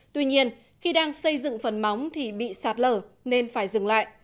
tuy nhiên khi đang xây dựng phần móng thì bị sạt lở nên phải dừng lại